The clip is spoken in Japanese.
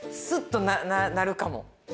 スッとなるかも。